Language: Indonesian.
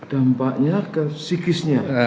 dampaknya ke psikisnya